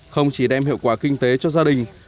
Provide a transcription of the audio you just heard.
không chỉ đem hiệu quả kinh tế cho gia đình